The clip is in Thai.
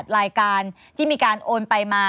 รายการที่มีการโอนไปมา